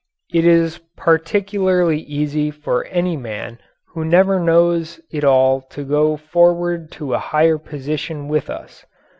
It is particularly easy for any man who never knows it all to go forward to a higher position with us.